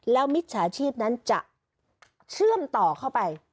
แล้วมิจฉาชีพนั้นจะเชื่อมต่อเข้าไป